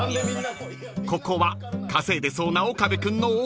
［ここは稼いでそうな岡部君のおごり］